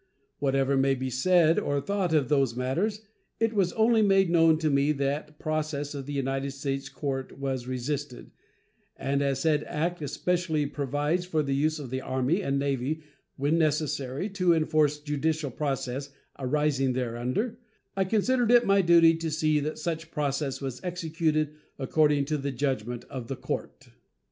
Whatever may be said or thought of those matters, it was only made known to me that process of the United States court was resisted, and as said act especially provides for the use of the Army and Navy when necessary to enforce judicial process arising thereunder, I considered it my duty to see that such process was executed according to the judgment of the court.